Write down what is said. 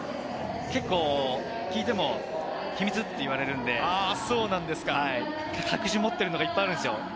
結構聞いても秘密って言われるので、隠し持っているのがいっぱいあるんですよ。